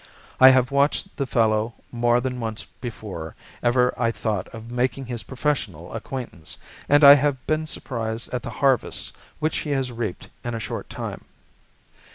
I have watched the fellow more than once before ever I thought of making his professional acquaintance, and I have been surprised at the harvest which he has reaped in a short time.